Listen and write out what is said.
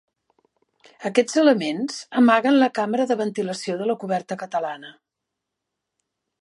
Aquests elements amaguen la càmera de ventilació de la coberta catalana.